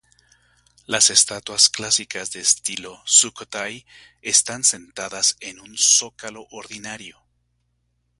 Las estatuas clásicas de estilo Sukhothai están sentadas en un zócalo ordinario.